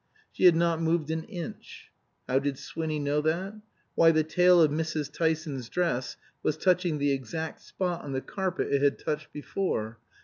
She had not moved an inch. How did Swinny know that? Why, the tail of Mrs. Tyson's dress was touching the exact spot on the carpet it had touched before.